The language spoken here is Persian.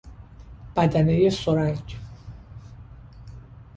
بدنهی سرنگ